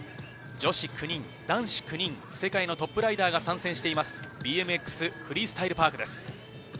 女子９人、男子９人、世界のトップライダーが参戦しています、ＢＭＸフリースタイル・パークです。